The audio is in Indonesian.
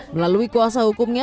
melalui kuasa hukumnya